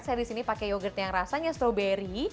saya disini pakai yogurt yang rasanya strawberry